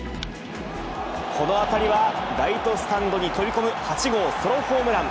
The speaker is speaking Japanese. この当たりはライトスタンドに飛び込む８号ソロホームラン。